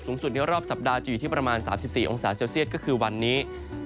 สูงสุดในรอบสัปดาห์จะอยู่ที่ประมาณ๓๔องศาเซลเซียตก็คือวันนี้